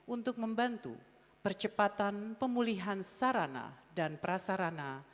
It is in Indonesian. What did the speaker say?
untuk membantu percepatan pemulihan sarana dan prasarana